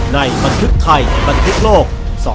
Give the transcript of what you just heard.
ในบันทึกไทยบันทึกโลก๒๕๖